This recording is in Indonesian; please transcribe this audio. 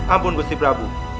ampun gusti prabu